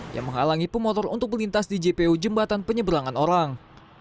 yang menghalangi pemotor untuk melintas di jpo jembatan penyeberangan orang